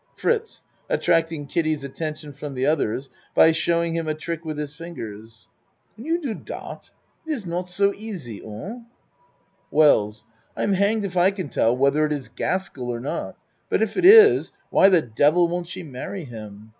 FRITZ (Attracting Kiddie's attention from the others by showing him a trick with his fingers.) Can you do dot ? It iss not so easy. Un ? WELLS I'm hanged if I can tell whether it is Gaskel or not but if it is why the devil won't she marry him?